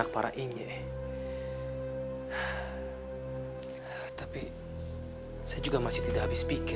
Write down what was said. saya harus mencari petunjuk dari kitab ini